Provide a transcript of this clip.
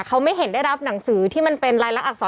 เขาไม่เห็นได้รับหนังสือที่มันเป็นรายลักษร